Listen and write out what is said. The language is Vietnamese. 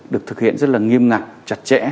được thực hiện rất là nghiêm ngặt chặt chẽ